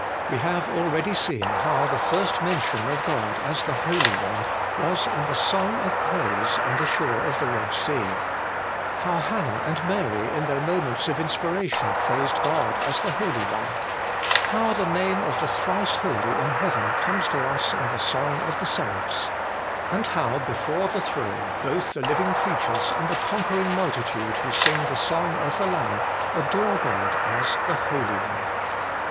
We have already seen how the first mention of God as the Holy One was in the song of praise on the shore of the Eed Sea ; how Hannah and Mary in their 186 HOLY IN CHRIST. moments of inspiration praised God as the Holy One ; how the name of the Thrice Holy in heaven comes to us in the song of the seraphs ; and how before the throne both the living creatures and the conquering multitude who sing the song of the Lamb, adore God as the Holy One.